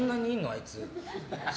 あいつ。